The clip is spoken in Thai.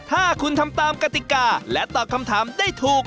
ถ้าคุณทำตามกติกาและตอบคำถามได้ถูก